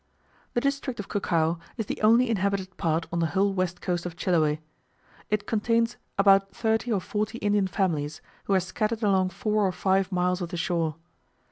The district of Cucao is the only inhabited part on the whole west coast of Chiloe. It contains about thirty or forty Indian families, who are scattered along four or five miles of the shore.